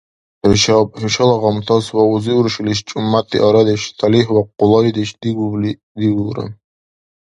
ХӀушаб, хӀушала гъамтас ва узи-уршилис чӀумаси арадеш, талихӀ ва къулайдешуни диубли дигулра.